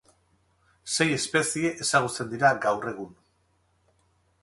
Sei espezie ezagutzen dira gaur egun.